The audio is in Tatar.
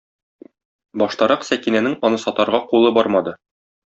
Баштарак Сәкинәнең аны сатарга кулы бармады.